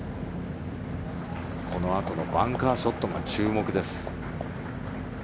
このあとのバンカーショットが注目です。